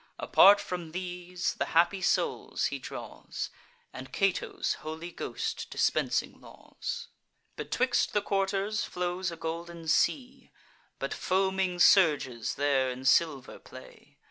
Apart from these, the happy souls he draws, And Cato's holy ghost dispensing laws. Betwixt the quarters flows a golden sea; But foaming surges there in silver play.